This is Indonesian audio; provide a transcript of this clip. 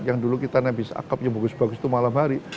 yang dulu kita nabis akap yang bagus bagus itu malam hari